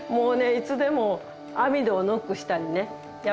いつでも網戸をノックしたりねやって来る。